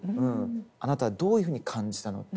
あなたはどういうふうに感じたのって。